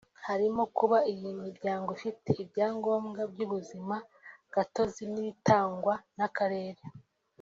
harimo kuba iyi miryango ifite ibya ngombwa by’ubuzima gatozi n’ibitangwa n’Akarere